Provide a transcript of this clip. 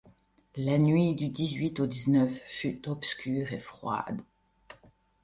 La nuit du dix-huit au dix-neuf fut obscure et froide.